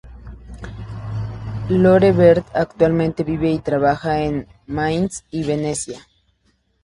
Lore Bert actualmente vive y trabaja en Mainz y Venecia.